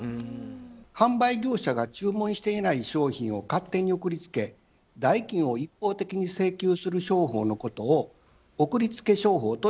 販売業者が注文していない商品を勝手に送り付け代金を一方的に請求する商法のことを「送り付け商法」といいます。